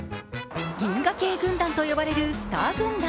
銀河系軍団といわれるスター軍団。